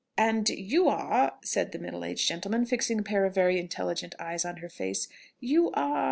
"And you are...." said the middle aged gentleman, fixing a pair of very intelligent eyes on her face, "you are...."